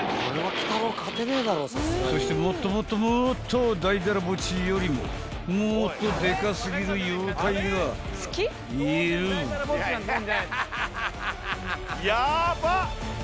［そしてもっともっともっとだいだらぼっちよりももっとでか過ぎる妖怪がいる］ヤバ！